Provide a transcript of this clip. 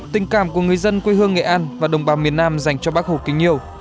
tình cảm của người dân quê hương nghệ an và đồng bào miền nam dành cho bác hồ kính yêu